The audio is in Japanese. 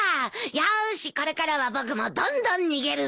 よしこれからは僕もどんどん逃げるぞ。